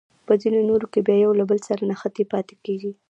په ځینو نورو کې بیا یو له بل سره نښتې پاتې کیږي.